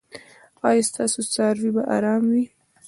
ایا ستاسو څاروي به ارام وي؟